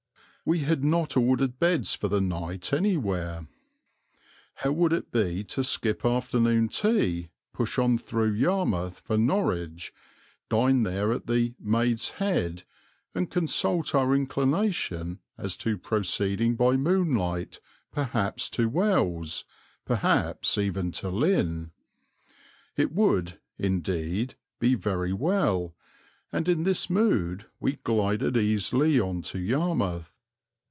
We had not ordered beds for the night anywhere. How would it be to skip afternoon tea, push on through Yarmouth for Norwich, dine there at the "Maid's Head," and consult our inclination as to proceeding by moonlight, perhaps to Wells, perhaps even to Lynn? It would, indeed, be very well, and in this mood we glided easily on to Yarmouth.